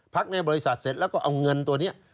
ในบริษัทเสร็จแล้วก็เอาเงินตัวนี้